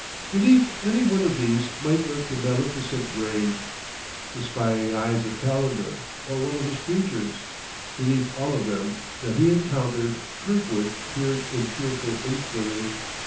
Beneath any one of these might lurk the maleficent brain, the spying eyes of Calendar or one of his creatures; beneath all of them that he encountered, Kirkwood peered in fearful inquiry.